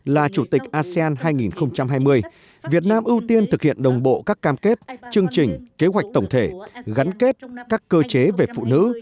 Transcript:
là chủ tịch asean hai nghìn hai mươi việt nam ưu tiên thực hiện đồng bộ các cam kết chương trình kế hoạch tổng thể gắn kết các cơ chế về phụ nữ